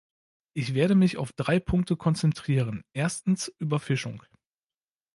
Ich werde mich auf drei Punkte konzentrieren: erstens, Überfischung.